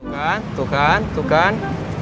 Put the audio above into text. kan tuh kan tuh kan